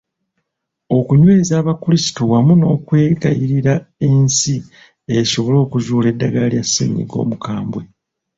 Okunyweza abakulisitu wamu n’okuwegayirira ensi esobole okuzuula eddagala lya ssennyiga omukambwe.